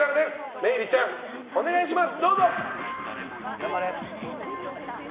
萌衣里ちゃん、お願いします。